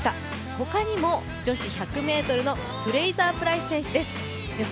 他にも女子１００ｍのフレイザープライス選手です。